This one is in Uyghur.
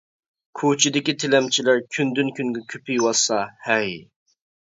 كوچىدىكى تىلەمچىلەر كۈندىن كۈنگە كۆپىيىۋاتسا ھەي.